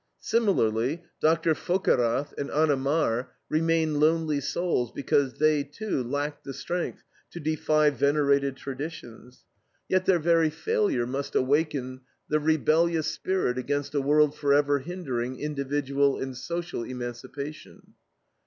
Similarly Dr. Vockerath and Anna Maar remain lonely souls because they, too, lack the strength to defy venerated traditions. Yet their very failure must awaken the rebellious spirit against a world forever hindering individual and social emancipation.